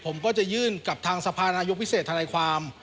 ผมก็จะยื่นกับทางสภานายกพิเศษธนายความ